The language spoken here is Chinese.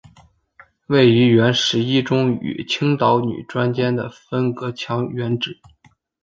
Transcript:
位于原十一中与青岛女专间的分隔墙原址。